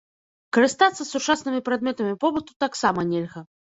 Карыстацца сучаснымі прадметамі побыту таксама нельга.